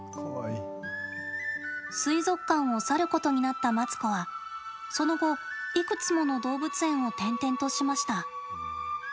水族館を去ることになったマツコは、その後いくつもの動物園を転々としました。